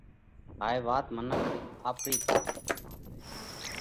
هائي وات منک رِي آپرِي پرڪرتِي مانه سئہ۔